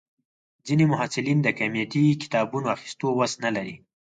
ځینې محصلین د قیمتي کتابونو اخیستو وس نه لري.